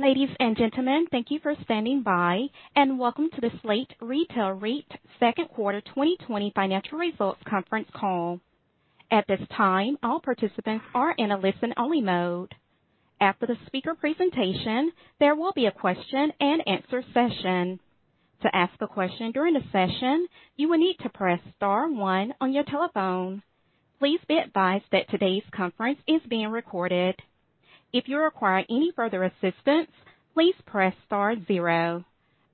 Ladies and gentlemen, thank you for standing by, and welcome to the Slate Retail REIT Second Quarter 2020 Financial Results Conference Call. At this time, all participants are in a listen-only mode. After the speaker presentation, there will be a question and answer session. To ask a question during the session, you will need to press star one on your telephone. Please be advised that today's conference is being recorded. If you require any further assistance, please press star zero.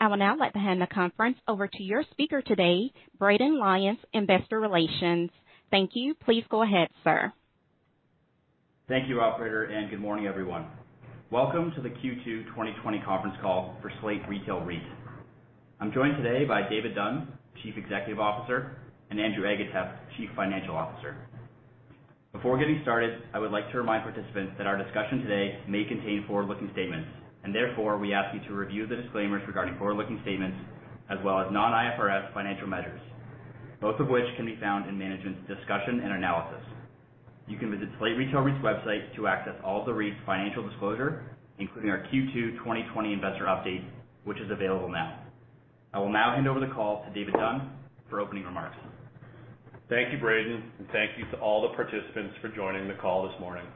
I will now hand the conference over to your speaker today, Braden Lyons, Investor Relations. Thank you. Please go ahead, sir. Thank you, operator, and good morning, everyone. Welcome to the Q2 2020 Conference Call for Slate Retail REIT. I'm joined today by David Dunn, Chief Executive Officer, and Andrew Agatep, Chief Financial Officer. Before getting started, I would like to remind participants that our discussion today may contain forward-looking statements, and therefore, we ask you to review the disclaimers regarding forward-looking statements as well as non-IFRS financial measures, both of which can be found in management's discussion and analysis. You can visit Slate Retail REIT's website to access all the REIT's financial disclosure, including our Q2 2020 investor update, which is available now. I will now hand over the call to David Dunn for opening remarks. Thank you, Braden, and thank you to all the participants for joining the call this morning.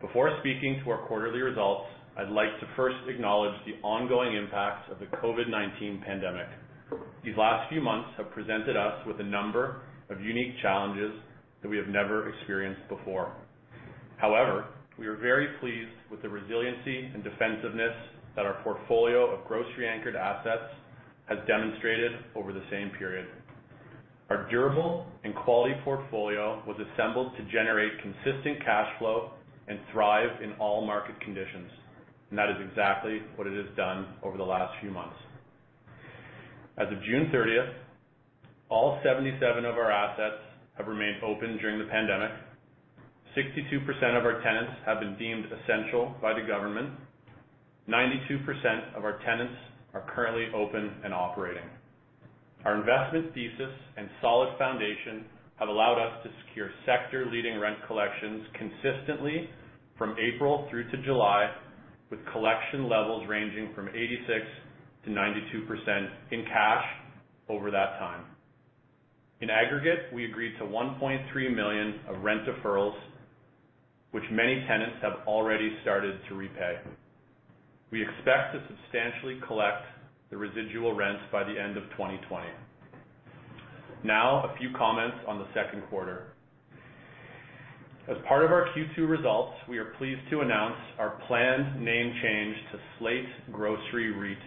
Before speaking to our quarterly results, I'd like to first acknowledge the ongoing impacts of the COVID-19 pandemic. These last few months have presented us with a number of unique challenges that we have never experienced before. However, we are very pleased with the resiliency and defensiveness that our portfolio of grocery-anchored assets has demonstrated over the same period. Our durable and quality portfolio was assembled to generate consistent cash flow and thrive in all market conditions, and that is exactly what it has done over the last few months. As of June 30th, all 77 of our assets have remained open during the pandemic. 62% of our tenants have been deemed essential by the government. 92% of our tenants are currently open and operating. Our investment thesis and solid foundation have allowed us to secure sector-leading rent collections consistently from April through to July, with collection levels ranging from 86%-92% in cash over that time. In aggregate, we agreed to $1.3 million of rent deferrals, which many tenants have already started to repay. We expect to substantially collect the residual rents by the end of 2020. A few comments on the second quarter. As part of our Q2 results, we are pleased to announce our planned name change to Slate Grocery REIT,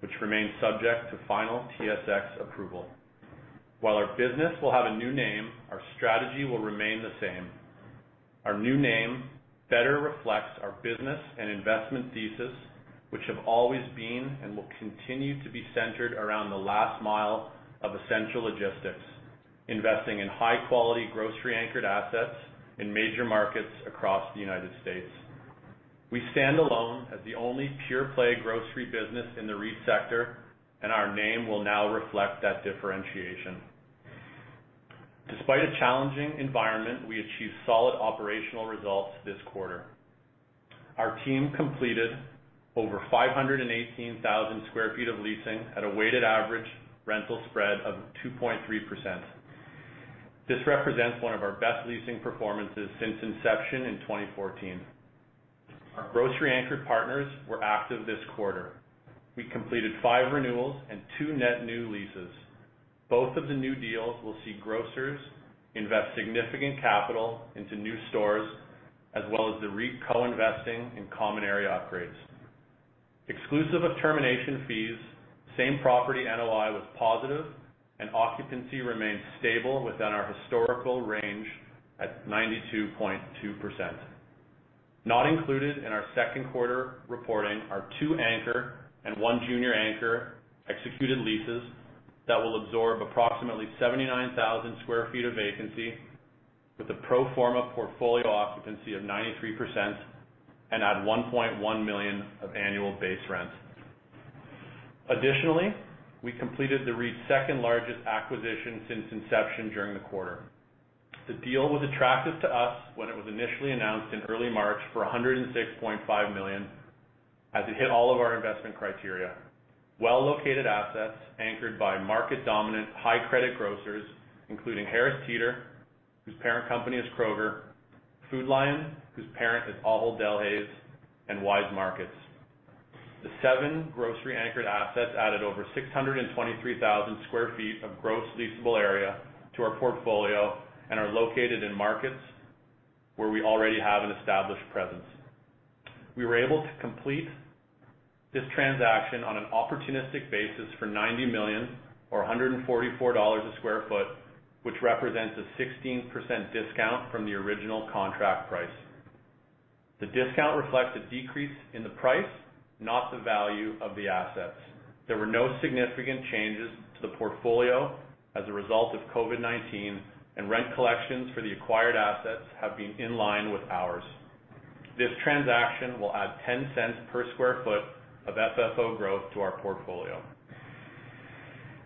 which remains subject to final TSX approval. While our business will have a new name, our strategy will remain the same. Our new name better reflects our business and investment thesis, which have always been and will continue to be centered around the last mile of essential logistics, investing in high-quality, grocery-anchored assets in major markets across the United States. We stand alone as the only pure-play grocery business in the REIT sector, and our name will now reflect that differentiation. Despite a challenging environment, we achieved solid operational results this quarter. Our team completed over 518,000 sq ft of leasing at a weighted average rental spread of 2.3%. This represents one of our best leasing performances since inception in 2014. Our grocery-anchored partners were active this quarter. We completed five renewals and two net new leases. Both of the new deals will see grocers invest significant capital into new stores, as well as the REIT co-investing in common area upgrades. Exclusive of termination fees, same property NOI was positive, and occupancy remained stable within our historical range at 92.2%. Not included in our second quarter reporting are two anchor and one junior anchor executed leases that will absorb approximately 79,000 square feet of vacancy with a pro forma portfolio occupancy of 93% and add $1.1 million of annual base rents. Additionally, we completed the REIT's second-largest acquisition since inception during the quarter. The deal was attractive to us when it was initially announced in early March for $106.5 million as it hit all of our investment criteria. Well-located assets anchored by market dominant high credit grocers, including Harris Teeter, whose parent company is Kroger, Food Lion, whose parent is Ahold Delhaize, and Weis Markets. The seven grocery-anchored assets added over 623,000 sq ft of gross leasable area to our portfolio and are located in markets where we already have an established presence. We were able to complete this transaction on an opportunistic basis for $90 million or $144 a sq ft, which represents a 16% discount from the original contract price. The discount reflects a decrease in the price, not the value of the assets. There were no significant changes to the portfolio as a result of COVID-19, and rent collections for the acquired assets have been in line with ours. This transaction will add $0.10 per sq ft of FFO growth to our portfolio.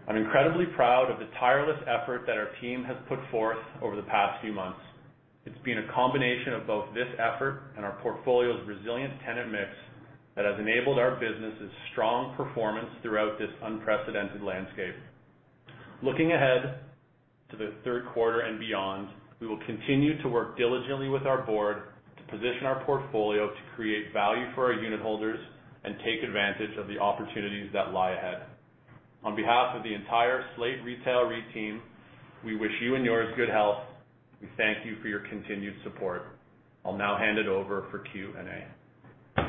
I'm incredibly proud of the tireless effort that our team has put forth over the past few months. It's been a combination of both this effort and our portfolio's resilient tenant mix that has enabled our business' strong performance throughout this unprecedented landscape. Looking ahead to the third quarter and beyond, we will continue to work diligently with our board to position our portfolio to create value for our unit holders and take advantage of the opportunities that lie ahead. On behalf of the entire Slate Retail REIT team, we wish you and yours good health. We thank you for your continued support. I'll now hand it over for Q&A.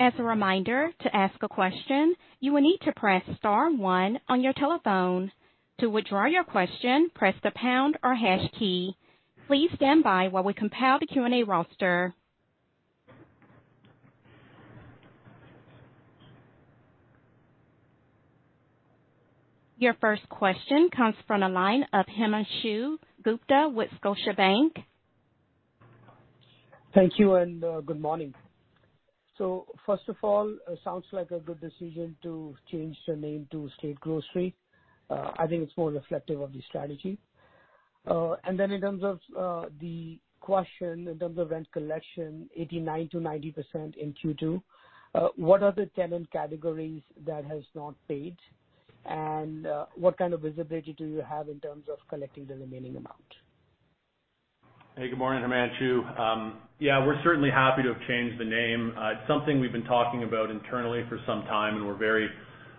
As a reminder, to ask a question, you will need to press star one on your telephone. To withdraw your question, press the pound or hash key. Please stand by while we compile the Q&A roster. Your first question comes from the line of Himanshu Gupta with Scotiabank. Thank you, and good morning. First of all, it sounds like a good decision to change the name to Slate Grocery. In terms of the question, in terms of rent collection, 89%-90% in Q2, what are the tenant categories that has not paid? What kind of visibility do you have in terms of collecting the remaining amount? Hey, good morning, Himanshu. Yeah, we're certainly happy to have changed the name. It's something we've been talking about internally for some time, and we're very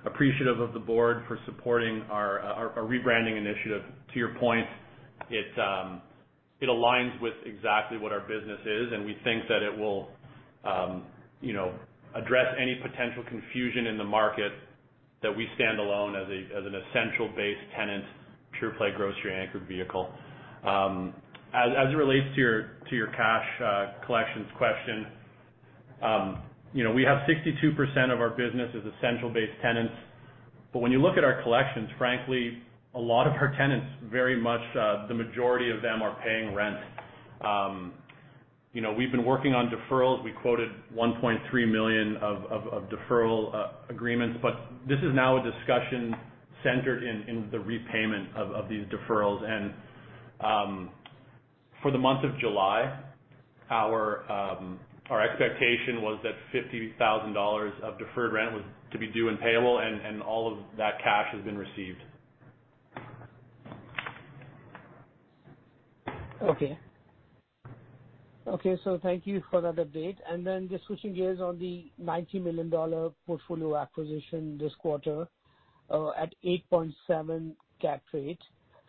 appreciative of the board for supporting our rebranding initiative. To your point, it aligns with exactly what our business is, and we think that it will address any potential confusion in the market that we stand alone as an essential-based tenant, pure-play, grocery anchored vehicle. As it relates to your cash collections question, we have 62% of our business as essential-based tenants. When you look at our collections, frankly, a lot of our tenants, very much the majority of them, are paying rent. We've been working on deferrals. We quoted $1.3 million of deferral agreements. This is now a discussion centered in the repayment of these deferrals. For the month of July, our expectation was that $50,000 of deferred rent was to be due and payable, and all of that cash has been received. Okay. Thank you for that update. Just switching gears on the $90 million portfolio acquisition this quarter, at 8.7 Cap rate.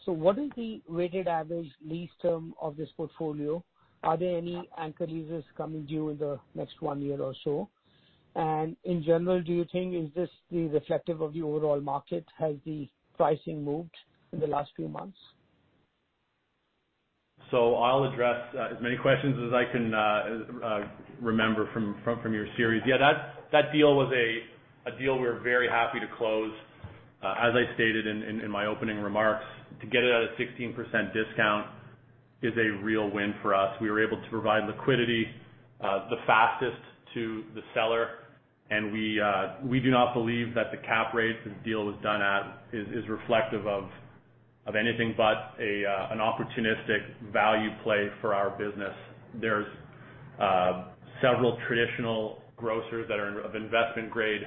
What is the weighted average lease term of this portfolio? Are there any anchor leases coming due in the next one year or so? In general, do you think, is this reflective of the overall market? Has the pricing moved in the last few months? I'll address as many questions as I can remember from your series. Yeah, that deal was a deal we were very happy to close. As I stated in my opening remarks, to get it at a 16% discount is a real win for us. We were able to provide liquidity the fastest to the seller, and we do not believe that the cap rate this deal was done at is reflective of anything but an opportunistic value play for our business. There's several traditional grocers that are of investment-grade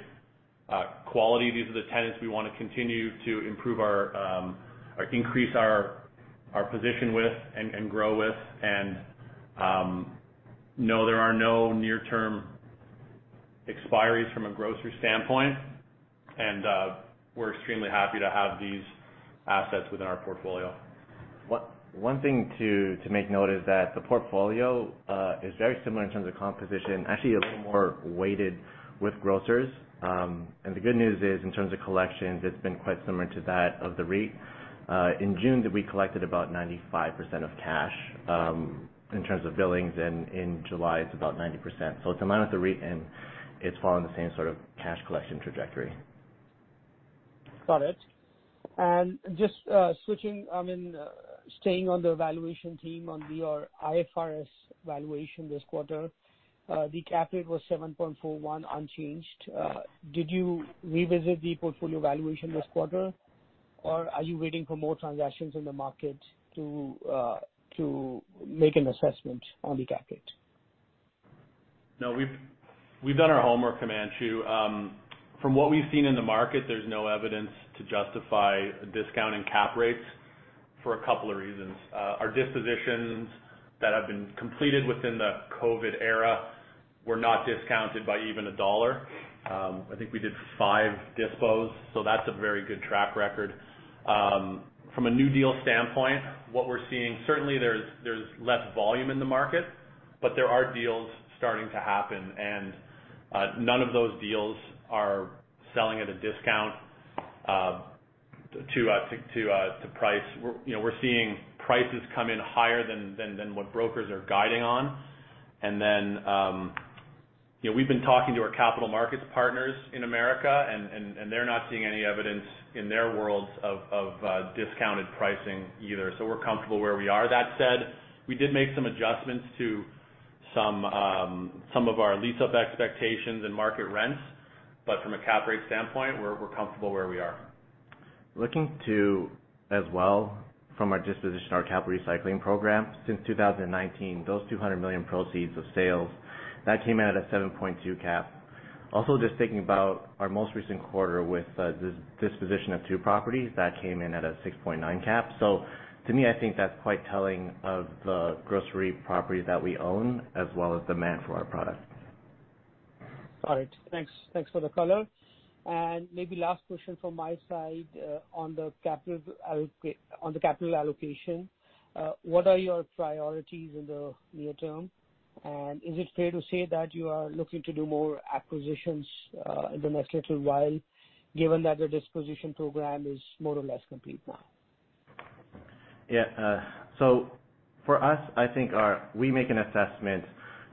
quality. These are the tenants we want to continue to increase our position with and grow with. No, there are no near-term expiries from a grocery standpoint. We're extremely happy to have these assets within our portfolio. One thing to make note is that the portfolio is very similar in terms of composition, actually a little more weighted with grocers. The good news is, in terms of collections, it's been quite similar to that of the REIT. In June, we collected about 95% of cash, in terms of billings, and in July it's about 90%. It's in line with the REIT, and it's following the same sort of cash collection trajectory. Got it. Just switching, staying on the valuation theme on your IFRS valuation this quarter. The cap rate was 7.41, unchanged. Did you revisit the portfolio valuation this quarter, or are you waiting for more transactions in the market to make an assessment on the cap rate? No, we've done our homework, Himanshu. From what we've seen in the market, there's no evidence to justify a discount in cap rates for a couple of reasons. Our dispositions that have been completed within the COVID era were not discounted by even a dollar. I think we did five dispose, that's a very good track record. From a new deal standpoint, what we're seeing, certainly there's less volume in the market, but there are deals starting to happen, and none of those deals are selling at a discount to price. We're seeing prices come in higher than what brokers are guiding on. We've been talking to our capital markets partners in America, and they're not seeing any evidence in their worlds of discounted pricing either. We're comfortable where we are. That said, we did make some adjustments to-Some of our lease-up expectations and market rents, but from a cap rate standpoint, we're comfortable where we are. Looking to, as well, from our disposition, our capital recycling program. Since 2019, those $200 million proceeds of sales, that came out at a 7.2 cap. Also, just thinking about our most recent quarter with the disposition of two properties, that came in at a 6.9% cap. So to me, I think that's quite telling of the grocery properties that we own, as well as demand for our product. Got it. Thanks for the color. Maybe last question from my side on the capital allocation. What are your priorities in the near term? Is it fair to say that you are looking to do more acquisitions in the next little while, given that the disposition program is more or less complete now? Yeah. For us, I think we make an assessment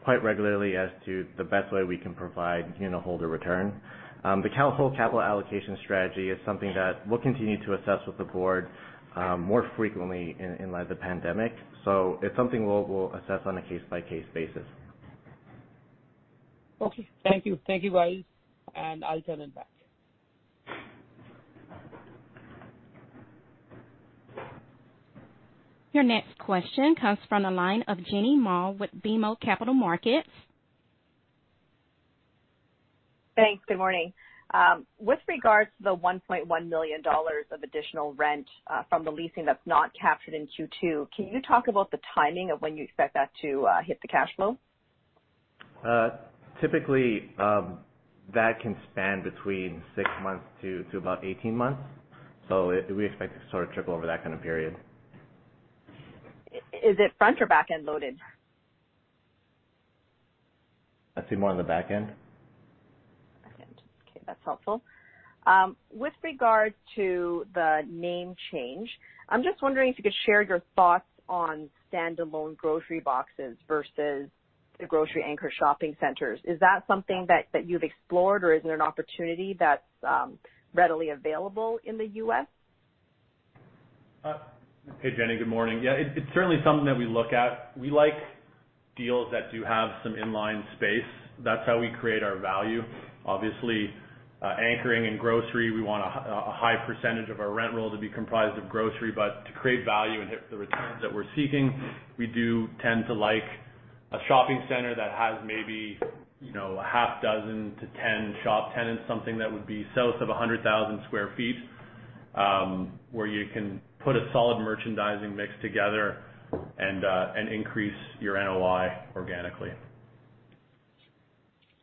quite regularly as to the best way we can provide unitholder return. The capital allocation strategy is something that we'll continue to assess with the board, more frequently in light of the pandemic. It's something we'll assess on a case-by-case basis. Okay. Thank you. Thank you, guys. I'll turn it back. Your next question comes from the line of Jenny Ma with BMO Capital Markets. Thanks. Good morning. With regards to the $1.1 million of additional rent from the leasing that's not captured in Q2, can you talk about the timing of when you expect that to hit the cash flow? Typically, that can span between six months to about 18 months. We expect to sort of trickle over that kind of period. Is it front or backend loaded? I'd say more on the back end. Back end. Okay, that's helpful. With regard to the name change, I'm just wondering if you could share your thoughts on standalone grocery boxes versus the grocery anchor shopping centers. Is that something that you've explored, or is it an opportunity that's readily available in the U.S.? Hey, Jenny. Good morning. Yeah, it's certainly something that we look at. We like deals that do have some inline space. That's how we create our value. Obviously, anchoring in grocery, we want a high percentage of our rent roll to be comprised of grocery. To create value and hit the returns that we're seeking, we do tend to like a shopping center that has maybe a half dozen to 10 shop tenants, something that would be south of 100,000 sq ft, where you can put a solid merchandising mix together and increase your NOI organically.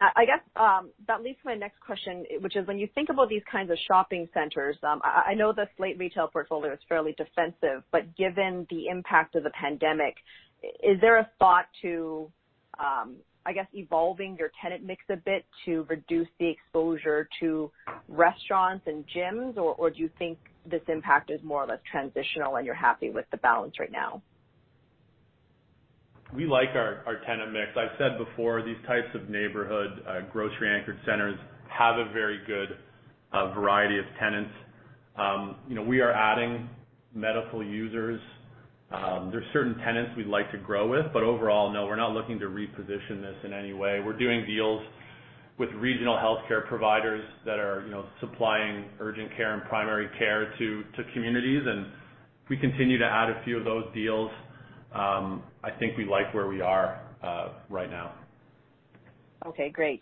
I guess that leads to my next question, which is when you think about these kinds of shopping centers, I know the Slate Retail portfolio is fairly defensive, but given the impact of the pandemic, is there a thought to, I guess, evolving your tenant mix a bit to reduce the exposure to restaurants and gyms, or do you think this impact is more or less transitional and you're happy with the balance right now? We like our tenant mix. I've said before, these types of neighborhood grocery anchored centers have a very good variety of tenants. We are adding medical users. There's certain tenants we'd like to grow with, but overall, no, we're not looking to reposition this in any way. We're doing deals with regional healthcare providers that are supplying urgent care and primary care to communities, and if we continue to add a few of those deals, I think we like where we are right now. Okay, great.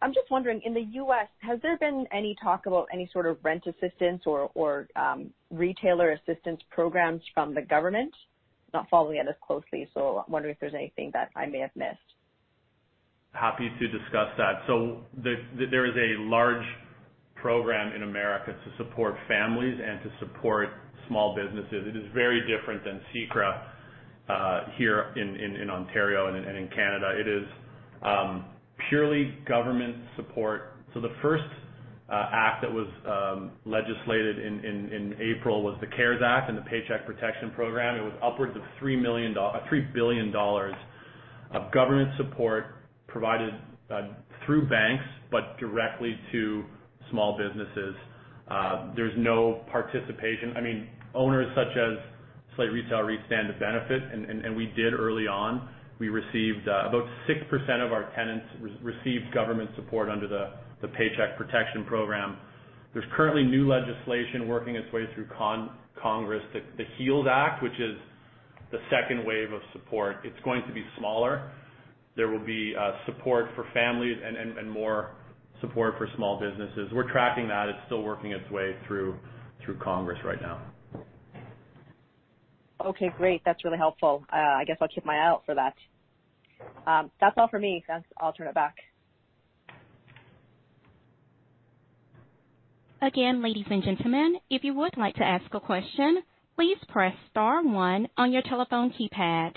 I'm just wondering, in the U.S., has there been any talk about any sort of rent assistance or retailer assistance programs from the government? Not following it as closely, I'm wondering if there's anything that I may have missed. Happy to discuss that. There is a large program in America to support families and to support small businesses. It is very different than CECRA here in Ontario and in Canada. It is purely government support. The first act that was legislated in April was the CARES Act and the Paycheck Protection Program. It was upwards of $3 billion of government support provided through banks, but directly to small businesses. There's no participation. Owners such as Slate Retail REIT stand to benefit, and we did early on. About 6% of our tenants received government support under the Paycheck Protection Program. There's currently new legislation working its way through Congress, the HEALS Act, which is the second wave of support. It's going to be smaller. There will be support for families and more support for small businesses. We're tracking that. It's still working its way through Congress right now. Okay, great. That's really helpful. I guess I'll keep my eye out for that. That's all for me. Thanks. I'll turn it back. Again, ladies and gentlemen, if you would like to ask a question, please press star one on your telephone keypad.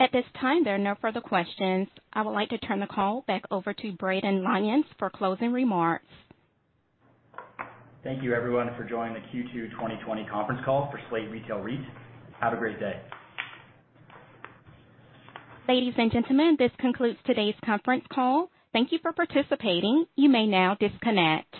At this time, there are no further questions. I would like to turn the call back over to Braden Lyons for closing remarks. Thank you everyone for joining the Q2 2020 conference call for Slate Retail REIT. Have a great day. Ladies and gentlemen, this concludes today's conference call. Thank you for participating. You may now disconnect.